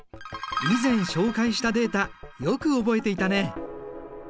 以前紹介したデータよく覚えていたね。